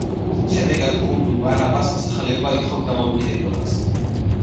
შედეგად კუნძულ ბანაბას მოსახლეობა ითხოვს დამოუკიდებლობას.